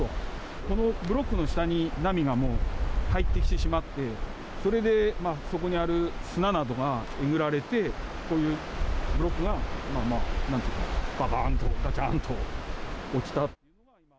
このブロックの下に、波がもう、入ってきてしまって、それでそこにある砂などがえぐられて、こういうブロックがなんというか、ばかーんと、がちゃーんと落ちた。